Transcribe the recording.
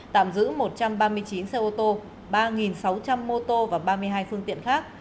tạm giữ một trăm ba mươi chín xe ô tô ba sáu trăm linh mô tô và ba mươi hai phương tiện khác